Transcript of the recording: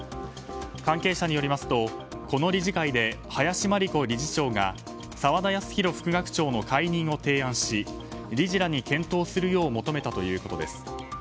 関係者によりますとこの理事会で林真理子理事長が澤田康広副学長の解任を提案し理事らに検討するよう求めたということです。